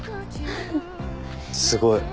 すごい。